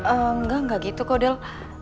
enggak enggak gitu kok dia